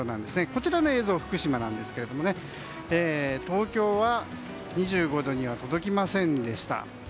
こちらの映像は福島なんですが東京は、２５度には届きませんでした。